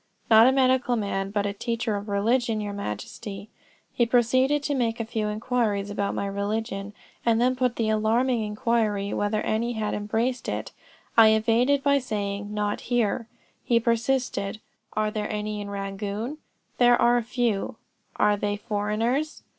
'Not a medical man, but a teacher of religion, your Majesty.' He proceeded to make a few inquiries about my religion, and then put the alarming inquiry whether any had embraced it. I evaded by saying 'Not here.' He persisted 'Are there any in Rangoon?' 'There are a few.' 'Are they foreigners?'